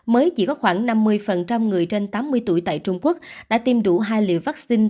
mới chỉ có khoảng năm mươi người trên tám mươi tuổi tại trung quốc đã tiêm đủ hai liều vaccine